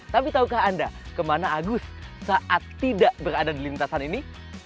tapi tahukah anda kemana agus saat tidak berada di lintasan ini